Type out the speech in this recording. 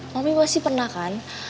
mami pasti pernah kan